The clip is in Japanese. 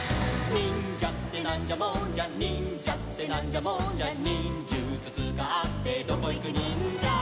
「にんじゃってなんじゃもんじゃ」「にんじゃってなんじゃもんじゃ」「にんじゅつつかってどこいくにんじゃ」